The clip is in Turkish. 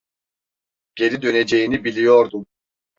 Geri döneceğini biliyordum.